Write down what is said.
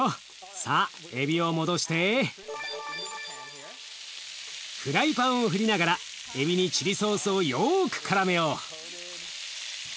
さあエビを戻してフライパンを振りながらエビにチリソースをよく絡めよう。